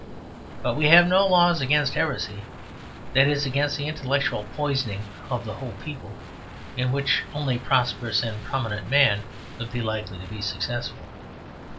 But we have no laws against heresy that is, against the intellectual poisoning of the whole people, in which only a prosperous and prominent man would be likely to be successful.